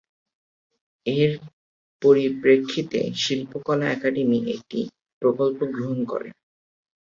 এর পরিপ্রেক্ষিতে শিল্পকলা একাডেমি একটি প্রকল্প গ্রহণ করে।